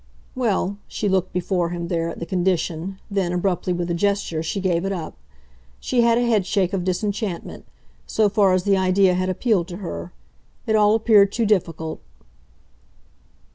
Well, she looked, before him there, at the condition then, abruptly, with a gesture, she gave it up. She had a headshake of disenchantment so far as the idea had appealed to her. It all appeared too difficult.